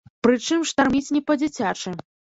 Прычым штарміць не па-дзіцячы.